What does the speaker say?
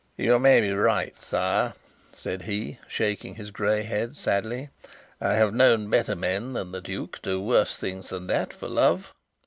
"You may be right, sire," said he, shaking his grey head sadly. "I have known better men than the duke do worse things than that for love."